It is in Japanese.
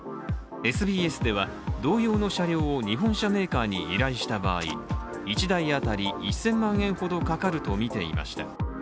ＳＢＳでは同様の車両を日本車メーカーに依頼した場合、１台当たり１０００万円ほどかかるとみていました。